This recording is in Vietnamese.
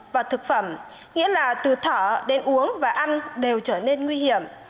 và thực phẩm nghĩa là từ thở đến uống và ăn đều trở nên nguy hiểm